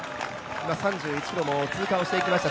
３１ｋｍ通過していきました